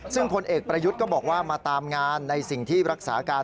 ซึ่งพลเอกประยุทธ์ก็บอกว่ามาตามงานในสิ่งที่รักษาการ